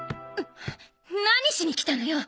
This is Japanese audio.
何しに来たのよ！